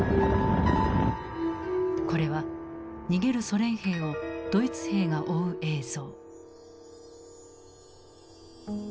これは逃げるソ連兵をドイツ兵が追う映像。